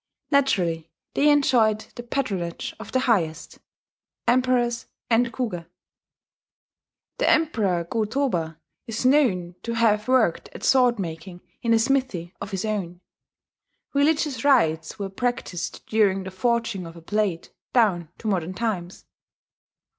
Naturally they enjoyed the patronage of the highest, emperors and Kuge. The Emperor Go Toba is known to have worked at sword making in a smithy of his own. Religious rites were practised during the forging of a blade down to modern times....